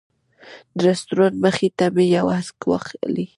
د رسټورانټ مخې ته مې یو عکس واخلي.